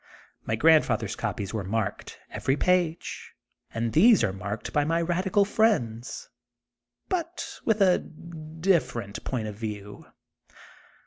My grandfather's copies were marked, every page, and these are marked by my radical friend, but with a different point of view.